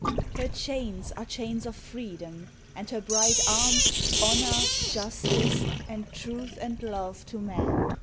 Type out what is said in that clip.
Her chains are chains of Freedom, and her bright arms Honour Justice and Truth and Love to man.